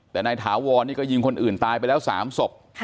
แต่นายถาวรนี่ก็ยิงคนอื่นตายไปแล้ว๓ศพ